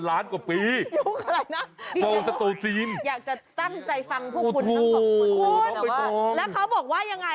แล้วเขาบอกว่ายังไง